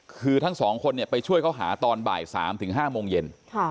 คือทั้งสองคนเนี่ยไปช่วยเขาหาตอนบ่ายสามถึงห้าโมงเย็น